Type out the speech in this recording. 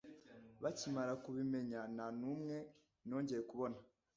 Bakimara kubimenya nta n’umwe nongeye kubona